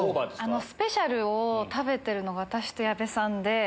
スペシャルメニューを食べてるの私と矢部さんで。